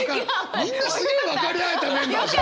みんなすげえ分かり合えたメンバーじゃん！